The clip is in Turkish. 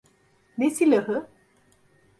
Ne silahı?